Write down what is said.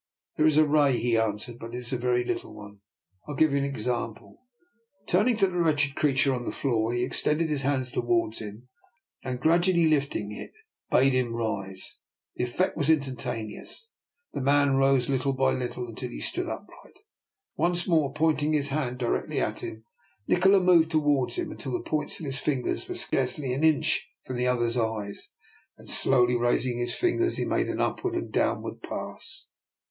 "" There is a ray," he answered, *' but it is a very little one. I will give you an example." Turning to the wretched creature on the floor, he extended his hand towards him, and, gradually lifting it, bade him rise. The effect was instantaneous. The man rose little by little until he stood upright. Once more 18 270 I>R NIKOLA'S EXPERIMENT. pointing his hand directly at him, Nikola moved towards him, until the points of his fingers were scarcely an inch from the other's eyes. Then slowly raising his fingers he made an upward and a downward pass.